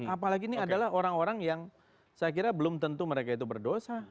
apalagi ini adalah orang orang yang saya kira belum tentu mereka itu berdosa